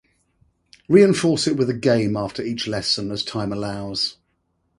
Reinforce it with a game after each lesson as time allows.